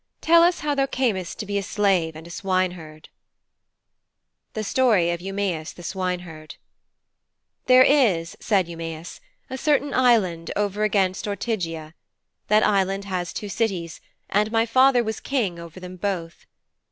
Tell us how thou earnest to be a slave and a swineherd,' THE STORY OF EUMÆUS THE SWINEHERD 'There is,' said Eumæus, 'a certain island over against Ortygia. That island has two cities, and my father was king over them both.'